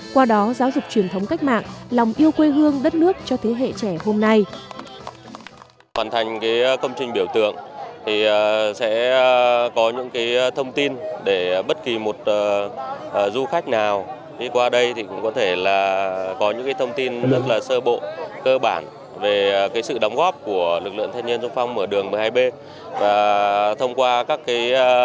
qua đó giáo dục truyền thống cách mạng lòng yêu quê hương đất nước cho thế hệ trẻ hôm nay